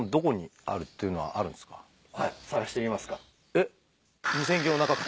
えっ？